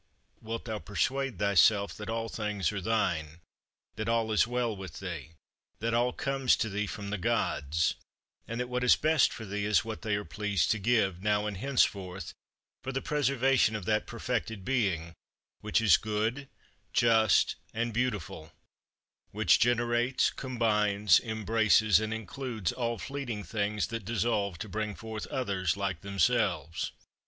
Wilt thou persuade thyself that all things are thine; that all is well with thee; that all comes to thee from the Gods; and that what is best for thee is what they are pleased to give, now and henceforth, for the preservation of that perfected being, which is good, just, and beautiful; which generates, combines, embraces, and includes all fleeting things that dissolve to bring forth others like themselves?